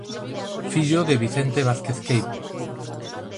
Fillo de Vicente Vázquez Queipo.